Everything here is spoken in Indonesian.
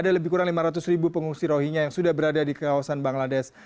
ada lebih kurang lima ratus ribu pengungsi rohingya yang sudah berada di kawasan bangladesh